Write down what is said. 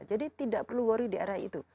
jadi tidak perlu worry di area itu